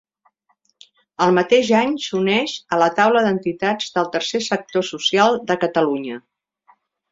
El mateix any s'uneix a la Taula d'entitats del Tercer Sector Social de Catalunya.